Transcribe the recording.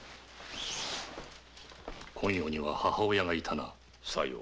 昆陽には母親がいたな？